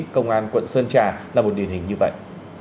công an quận sơn trà là một điển hình như vậy